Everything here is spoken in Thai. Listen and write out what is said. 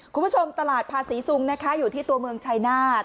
คุณผู้ชมตลาดภาษีซุงนะคะอยู่ที่ตัวเมืองชายนาฏ